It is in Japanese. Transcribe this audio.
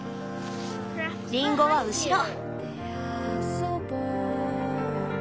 リンゴは後ろ。